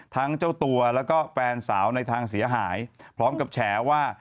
ทั้งเจ้าตัวแล้วก็แฟนสาวในทางเสียหายพร้อมกับแฉว่า